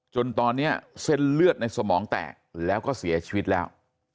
จนตอนนี้เส้นเลือดในสมองแตกแล้วก็เสียชีวิตแล้ว